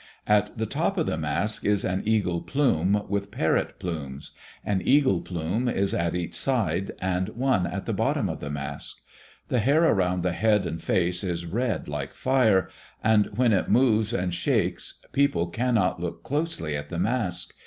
At the top of the mask is an eagle plume with parrot plumes; an eagle plume is at each side, and one at the bottom of the mask. The hair around the head and face is red like fire, and when it moves and shakes people cannot look closely at the mask.